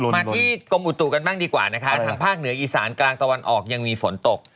มาที่กรมอุตุกันบ้างดีกว่านะคะทางภาคเหนืออีสานกลางตะวันออกยังมีฝนตก